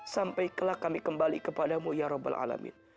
sampai telah kami kembali kepadamu ya rabbil alamin